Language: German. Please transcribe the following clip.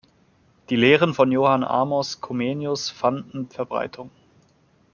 Die Lehren von Johann Amos Comenius fanden Verbreitung.